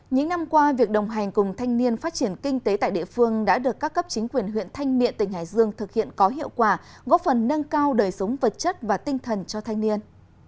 những năm qua việc đồng hành cùng thanh niên phát triển kinh tế tại địa phương đã được các cấp chính quyền huyện thanh miện tỉnh hải dương thực hiện có hiệu quả góp phần nâng cao đời sống vật chất và tinh thần cho thanh niên